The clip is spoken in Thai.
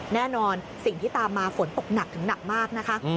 แน่นอนสิ่งที่ตามมาฝนตกหนักถึงหนักมากนะคะ